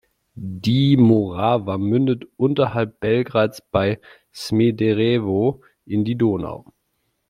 Die Morava mündet unterhalb Belgrads bei Smederevo in die Donau.